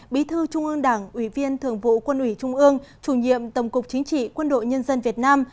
bí thư trung ương đảng ủy viên thường vụ quân ủy trung ương chủ nhiệm tổng cục chính trị quân đội nhân dân việt nam